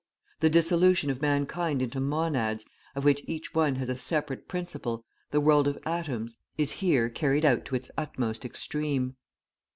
The dissolution of mankind into monads, of which each one has a separate principle, the world of atoms, is here carried out to its utmost extreme.